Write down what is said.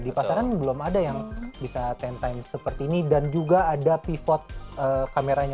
di pasaran belum ada yang bisa sepuluh time seperti ini dan juga ada pivot kameranya